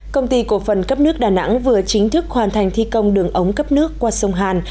công ty cổ phần cấp nước đà nẵng vừa chính thức hoàn thành thi công đường ống cấp nước qua sông hàn